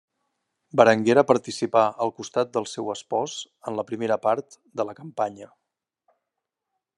Berenguera participà al costat del seu espòs en la primera part de la campanya.